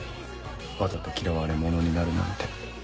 わざと嫌われ者になるなんて。